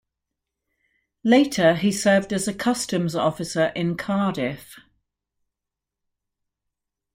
Later he served as a customs officer in Cardiff.